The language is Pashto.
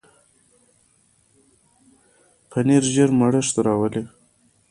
پنېر ژر مړښت راولي.